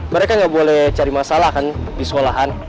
mereka nggak boleh cari masalah kan di sekolahan